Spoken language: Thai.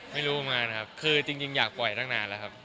ไม่รู้ประมาณครับคือจริงอยากปล่อยตั้งนานแล้วครับ